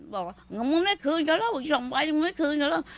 บอกว่างั้นมึงไม่คืนจะเล่าอีกสองวายมึงไม่คืนจะเล่า